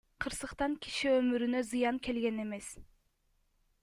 Кырсыктан киши өмүрүнө зыян келген эмес.